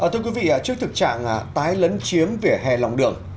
thưa quý vị trước thực trạng tái lấn chiếm vỉa hè lòng đường